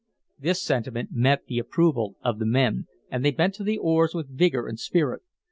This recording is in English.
This sentiment met the approval of the men, and they bent to the oars with vigor and spirit.